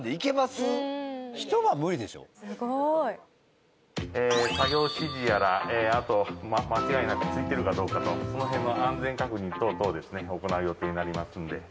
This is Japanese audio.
すごい。作業指示やらあと間違いなくついてるかどうかとその辺の安全確認等々をですね行う予定になりますんで。